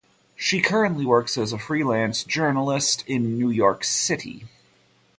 She currently works as a freelance journalist in New York City.